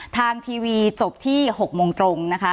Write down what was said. ทางทีวีจบที่๖โมงตรงนะคะ